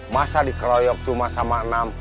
masa dikeroyok cuma sama enam